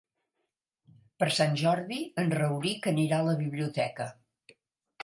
Per Sant Jordi en Rauric anirà a la biblioteca.